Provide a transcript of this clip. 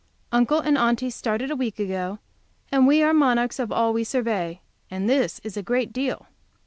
Uncle and Aunty started a week ago, and we are monarchs of all we survey, and this is a great deal.